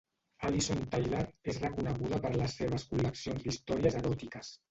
Alison Tyler és reconeguda per les seves col·leccions d'històries eròtiques